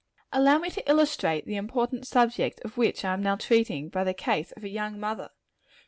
Allow me to illustrate the important subject of which I am now treating, by the case of a young mother.